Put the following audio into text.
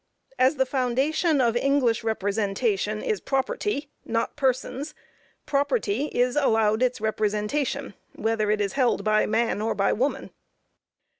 As the foundation of English representation is property, not persons, property is allowed its representation, whether it is held by man or by woman.